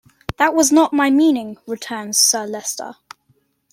"That was not my meaning," returns Sir Leicester.